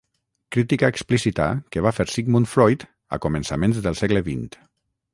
Crítica explícita que va fer Sigmund Freud a començaments del segle vint